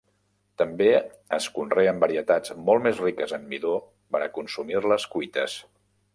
També es conreen varietats molt més riques en midó per a consumir-les cuites.